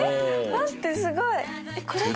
待ってすごいえっ